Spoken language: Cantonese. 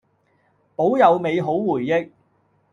保有美好回憶